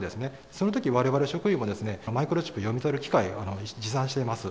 そのとき、われわれ職員もマイクロチップ読み取る機械、持参しています。